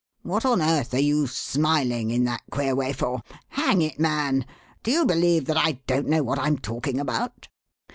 What on earth are you smiling in that queer way for? Hang it, man! do you believe that I don't know what I'm talking about?"